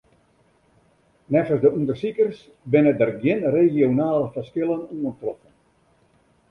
Neffens de ûndersikers binne der gjin regionale ferskillen oantroffen.